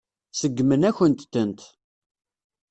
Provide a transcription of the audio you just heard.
Seggmen-akent-tent.